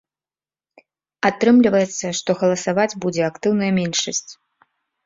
Атрымліваецца, што галасаваць будзе актыўная меншасць.